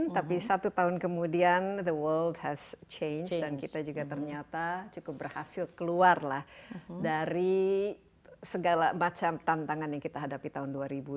tapi satu tahun kemudian dunia sudah berubah dan kita juga ternyata cukup berhasil keluar dari segala macam tantangan yang kita hadapi tahun dua ribu dua puluh dua